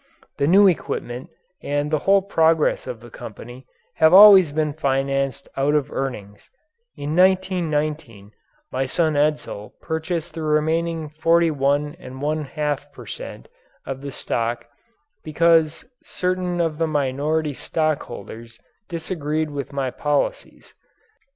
The new equipment and the whole progress of the company have always been financed out of earnings. In 1919 my son Edsel purchased the remaining 41 1/2 per cent of the stock because certain of the minority stockholders disagreed with my policies.